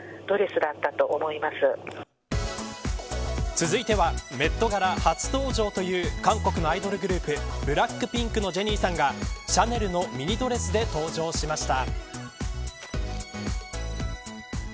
続いてはメットガラ初登場という韓国のアイドルグループＢＬＡＣＫＰＩＮＫのジェニーさんがシャネルのミニドレスで登場しました。